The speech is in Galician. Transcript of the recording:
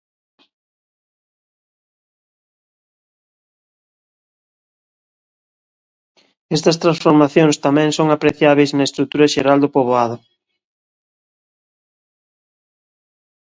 Estas transformacións tamén son apreciábeis na estrutura xeral do poboado.